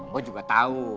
gue juga tau